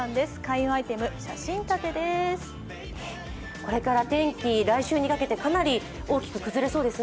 これから天気来週にかけてかなり大きく崩れそうですね。